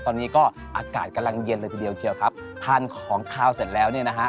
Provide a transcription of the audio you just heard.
ตอนนี้ก็อากาศกำลังเย็นเลยทีเดียวเชียวครับทานของขาวเสร็จแล้วเนี่ยนะฮะ